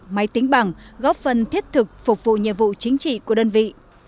máy tính bằng góp phần thiết thực phục vụ nhiệm vụ chính trị của đơn vị